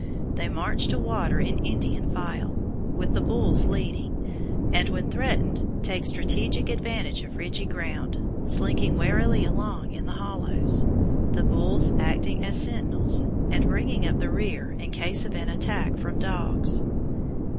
They march to water in Indian file, with the bulls leading, and when threatened, take strategic advantage of ridgy ground, slinking warily along in the hollows, the bulls acting as sentinels, and bringing up the rear in case of an attack from dogs.